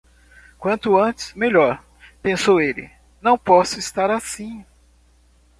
Quanto antes, melhor, pensou ele; não posso estar assim...